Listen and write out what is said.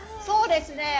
そうですね。